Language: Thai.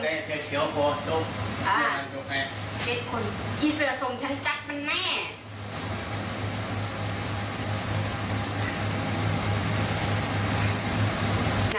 อ่าเจ็ดคนอีเสือส่งชั้นจัดมันแน่